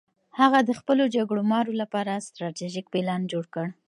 هغه د خپلو جګړه مارو لپاره ستراتیژیک پلان جوړ کړ.